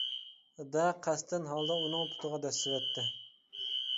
دە قەستەن ھالدا ئۇنىڭ پۇتىغا دەسسىۋەتتىم.